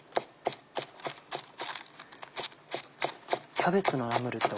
キャベツのナムルって